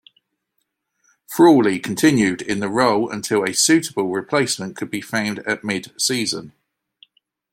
Frawley continued in the role until a suitable replacement could be found at midseason.